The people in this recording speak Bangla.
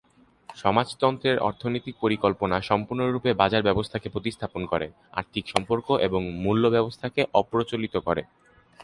সমাজতন্ত্রের অর্থনৈতিক পরিকল্পনা সম্পূর্ণরূপে বাজার ব্যবস্থাকে প্রতিস্থাপন করে, আর্থিক সম্পর্ক এবং মূল্য ব্যবস্থাকে অপ্রচলিত করে।